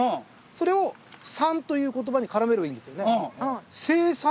それを「３」という言葉に絡めればいいんですよね？